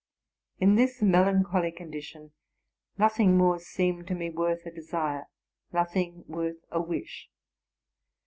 In this melancholy condition nothing more seemed to me worth a desire, nothing worth a wish.